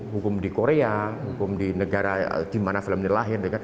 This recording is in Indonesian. hukum di korea hukum di negara di mana film ini lahir